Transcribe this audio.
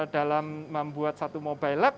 dalam membuat satu mobile lab